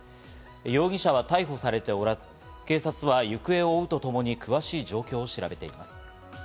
容疑者は逮捕されておらず、警察は行方を追うとともに、詳しい状況を調べています。